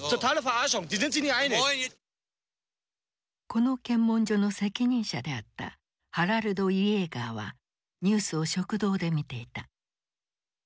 この検問所の責任者であったハラルド・イエーガーはニュースを食堂で見ていた。